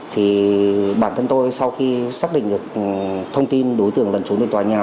thì bản thân tôi sau khi xác định được thông tin đối tượng lẩn trốn trên tòa nhà